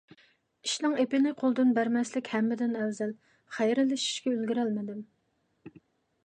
ئىشنىڭ ئېپىنى قولدىن بەرمەسلىك ھەممىدىن ئەۋزەل، خەيرلىشىشكە ئۈلگۈرەلمىدىم.